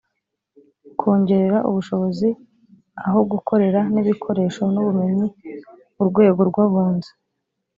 kongerera ubushobozi, aho gukorera n’ibikoresho n’ubumenyi urwego rw’abunzi.